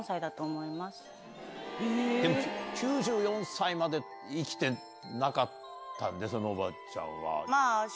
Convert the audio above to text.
９４歳まで生きてなかったんでそのおばあちゃんは。